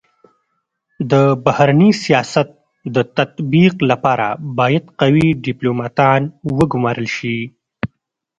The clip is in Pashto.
د بهرني سیاست د تطبیق لپاره بايد قوي ډيپلوماتان و ګمارل سي.